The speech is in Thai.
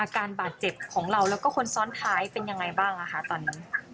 การบาดเจ็บของเราแล้วก็คนซ้อนท้ายเป็นยังไงบ้างตอนนี้